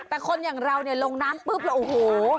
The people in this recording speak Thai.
แต่คนอย่างเราเนี่ยลงน้ำปุ๊บแล้วโอ้โห